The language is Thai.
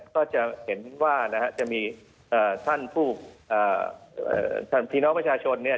ก็จะเห็นว่านะฮะจะมีท่านผู้พี่น้องประชาชนเนี่ย